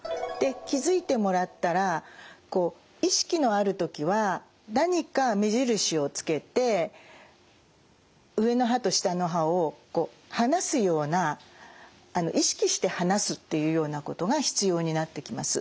気付いてもらったら意識のある時は何か目印をつけて上の歯と下の歯を離すような意識して離すというようなことが必要になってきます。